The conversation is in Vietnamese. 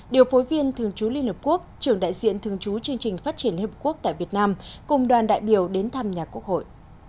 điều phối viên thường trú liên hợp quốc trưởng đại diện thường trú chương trình phát triển liên hợp quốc tại việt nam cùng đoàn đại biểu đến thăm nhà quốc hội